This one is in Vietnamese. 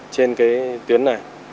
trên cái tuyến này